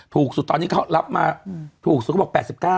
ถูกสุดตอนนี้เขารับมาถูกสุดเขาบอก๘๙บาท